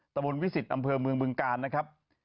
ตะบนวิสิตอำเภอเมืองบึงกาลนะครับ